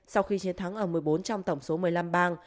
sau khi chiến thắng ở một mươi bốn trong tổng số một mươi năm bang